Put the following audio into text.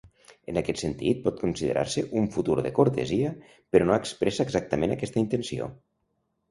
En aquest sentit pot considerar-se un futur de cortesia però no expressa exactament aquesta intenció.